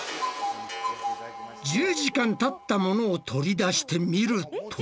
１０時間たったものを取り出してみると。